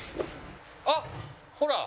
あっほら！